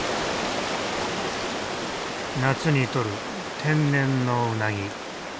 夏にとる天然のウナギ。